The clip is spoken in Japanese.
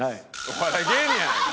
お笑い芸人やないか！